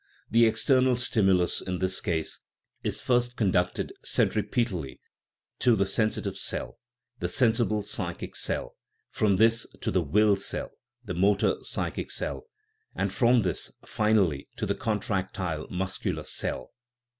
The ex ternal stimulus, in this case, is first conducted centrip etally to the sensitive cell (the sensible psychic cell), from this to the will cell (the motor psychic cell), and from this, finally, to the contractile muscular cell.